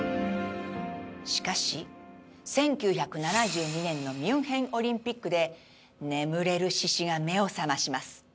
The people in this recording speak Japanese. しかし１９７２年のミュンヘンオリンピックで眠れる獅子が目を覚まします。